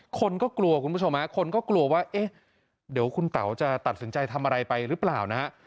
คนก็กลัวคุณผู้ชมฮะคนก็กลัวว่าเอ๊ะเดี๋ยวคุณเต๋าจะตัดสินใจทำอะไรไปหรือเปล่านะฮะ